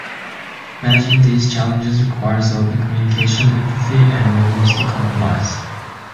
Managing these challenges requires open communication, empathy, and a willingness to compromise.